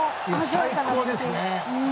最高ですね！